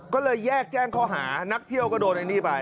ก็เลยแยกแจ้งข้อหานักเที่ยวก็โดนไอ้นี่ไป